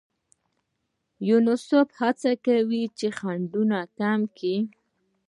یونیسف هڅه کوي خنډونه کم کړي.